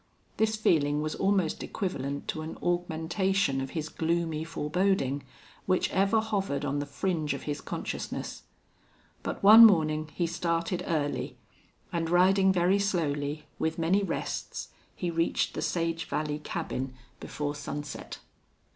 This feeling was almost equivalent to an augmentation of his gloomy foreboding, which ever hovered on the fringe of his consciousness. But one morning he started early, and, riding very slowly, with many rests, he reached the Sage Valley cabin before sunset.